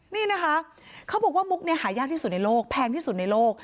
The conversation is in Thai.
นี่นะคะเขาบอกว่ามุกเนี่ยหายากที่สุดในโลกแพงที่สุดในโลก